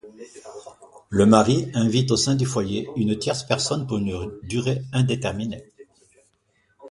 Le mari invite au sein du foyer une tierce personne pour une durée indéterminée.